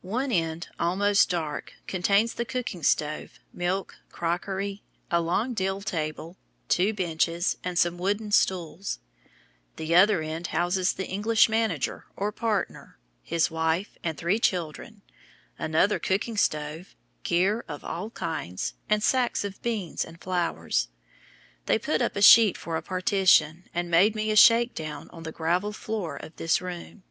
One end, almost dark, contains the cooking stove, milk, crockery, a long deal table, two benches, and some wooden stools; the other end houses the English manager or partner, his wife, and three children, another cooking stove, gear of all kinds, and sacks of beans and flour. They put up a sheet for a partition, and made me a shake down on the gravel floor of this room.